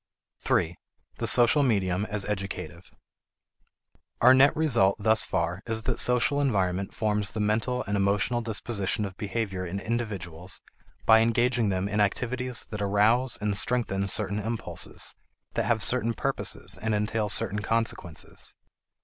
3. The Social Medium as Educative. Our net result thus far is that social environment forms the mental and emotional disposition of behavior in individuals by engaging them in activities that arouse and strengthen certain impulses, that have certain purposes and entail certain consequences.